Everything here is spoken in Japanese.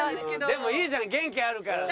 でもいいじゃん元気あるからさ。